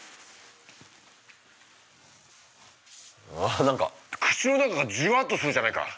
あっ何か口の中がじわっとするじゃないか。